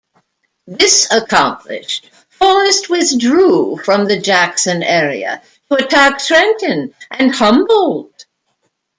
This accomplished, Forrest withdrew from the Jackson area to attack Trenton and Humboldt.